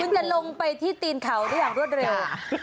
จะลงไปที่ตีนเขาได้อย่างรวดเร็ว